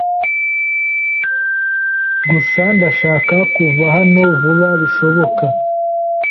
Gusa ndashaka kuva hano vuba bishoboka.